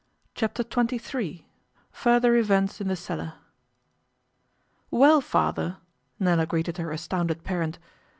Chapter Twenty Three FURTHER EVENTS IN THE CELLAR 'WELL, Father,' Nella greeted her astounded parent.